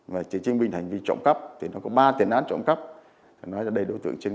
vào vòng vòng vào vòng vòng tầm thước